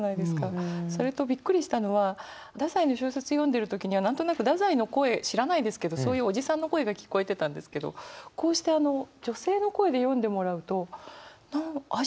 それとびっくりしたのは太宰の小説読んでる時には何となく太宰の声知らないですけどそういうおじさんの声が聞こえてたんですけどこうして女性の声で読んでもらうと味わい方が全然変わるんですよ。